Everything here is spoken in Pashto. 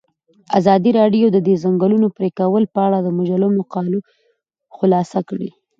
ازادي راډیو د د ځنګلونو پرېکول په اړه د مجلو مقالو خلاصه کړې.